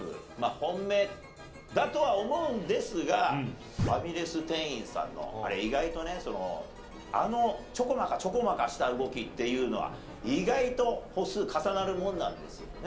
本命だとは思うんですがファミレス店員さんのあれ意外とねあのちょこまかちょこまかした動きっていうのは意外と歩数重なるもんなんですよね。